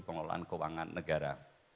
pengelolaan keuangan negara